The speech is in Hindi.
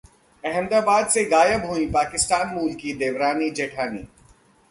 अहमदाबाद से गायब हुईं पाकिस्तान मूल की देवरानी-जेठानी